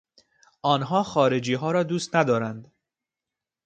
آنها خارجیها را دوست ندارند.